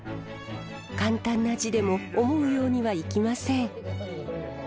簡単な字でも思うようにはいきません。